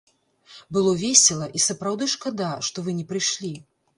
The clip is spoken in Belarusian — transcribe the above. Было весела, і сапраўды шкада, што вы не прыйшлі!